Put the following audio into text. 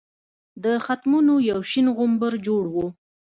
د ختمونو یو شین غومبر جوړ وو.